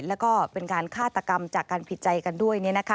แล้วก็เป็นการฆาตกรรมจากการผิดใจกันด้วย